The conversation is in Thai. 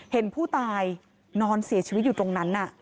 เห็นผู้ตายนอนเสียชีวิตอยู่ตรงนั้น